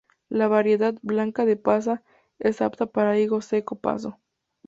La variedad „Blanca de Pasa“ es apta para higo seco paso.